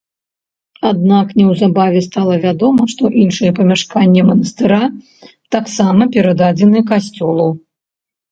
Аднак неўзабаве стала вядома, што іншыя памяшканні манастыра таксама перададзены касцёлу.